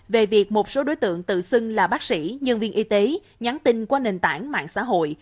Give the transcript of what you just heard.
về việc một số đối tượng tự xưng là bác sĩ nhân viên y tế nhắn tin qua nền tảng mạng xã hội